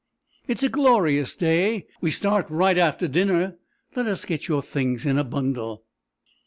"It's a glorious day. We start right after dinner. Let us get your things in a bundle."